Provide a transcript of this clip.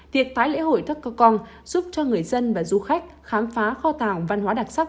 việc tái lễ hội tắc cà con giúp người dân và du khách khám phá kho tàng văn hóa đặc sắc